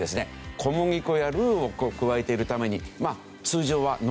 小麦粉やルーを加えているために通常は濃厚なものが多い。